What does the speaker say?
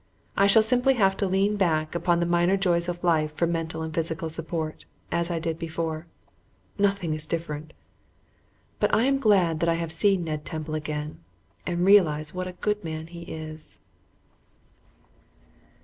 I shall simply have to lean back upon the minor joys of life for mental and physical support, as I did before. Nothing is different, but I am glad that I have seen Ned Temple again, and realize what a good man he is.